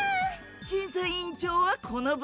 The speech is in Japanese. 審査委員長はこのぼく。